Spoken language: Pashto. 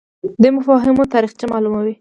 دی مفاهیمو تاریخچه معلوموي